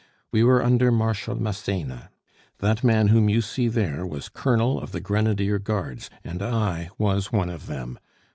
We were under Marshal Massena. That man whom you see there was Colonel of the Grenadier Guards, and I was one of them.